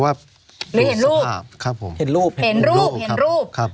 หรือเห็นรูปเห็นรูปครับครับ